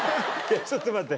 ちょっと待って。